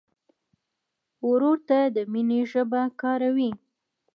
ورور ته د مینې ژبه کاروې.